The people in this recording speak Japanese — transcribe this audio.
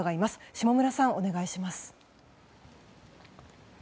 下村さん、お願いします。